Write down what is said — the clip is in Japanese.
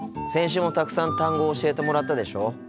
先週もたくさん単語を教えてもらったでしょ？